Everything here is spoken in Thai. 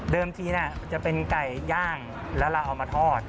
ทีจะเป็นไก่ย่างแล้วเราเอามาทอด